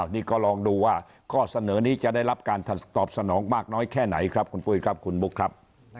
นี่ก็ลองดูว่าข้อเสนอนี้จะได้รับการตอบสนองมากน้อยแค่ไหนครับคุณปุ้ยครับคุณบุ๊คครับ